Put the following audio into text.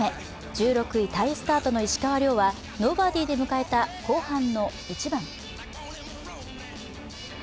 １６位タイスタートの石川遼はノーバーディーで迎えた後半の１番。